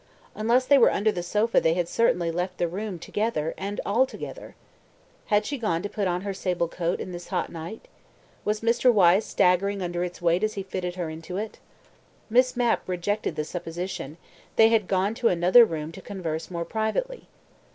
Unless they were under the sofa they had certainly left the room together and altogether. Had she gone to put on her sable coat on this hot night? Was Mr. Wyse staggering under its weight as he fitted her into it? Miss Mapp rejected the supposition; they had gone to another room to converse more privately.